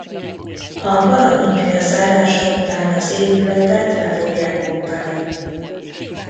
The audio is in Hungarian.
A paralimpia zárása után az épületet le fogják bontani.